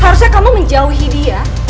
harusnya kamu menjauhi dia